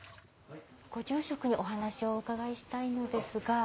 ご住職にお話をお伺いしたいのですが。